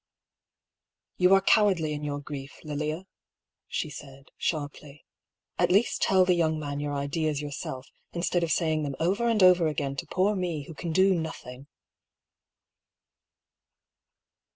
" Tou are cowardly in your grief, Lilia," she said, sharply. " At least tell the young man your ideas your self, instead of saying them over and over again to poor me, who can do nothing."